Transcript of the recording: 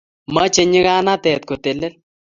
meche nyikanatet kotelel